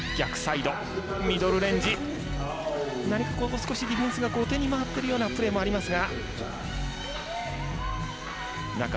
少しディフェンスが後手に回ってるようなプレーもありますが。